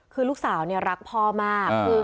คือลูกสาวเนี่ยรักพ่อมากคือ